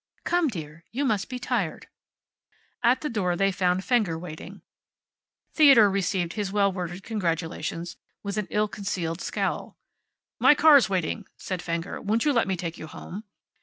"Come, dear. You must be tired." At the door they found Fenger waiting. Theodore received his well worded congratulations with an ill concealed scowl. "My car's waiting," said Fenger. "Won't you let me take you home?"